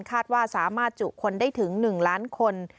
คาดว่าสามารถจุคนได้ถึง๑ล้านคน